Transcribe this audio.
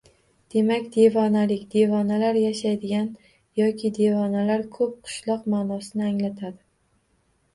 Demak, Devonalik – devonalar yashaydigan yoki devonalar ko‘p qishloq ma’nosini anglatadi.